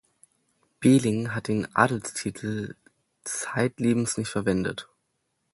Beling hat den Adelstitel zeitlebens nicht verwendet.